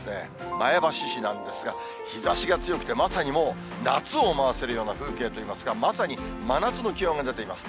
前橋市なんですが、日ざしが強くて、まさにもう夏を思わせるような風景といいますか、まさに真夏の気温が出ています。